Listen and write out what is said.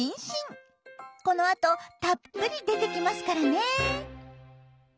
このあとたっぷり出てきますからね！